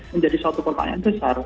menjadi satu pertanyaan besar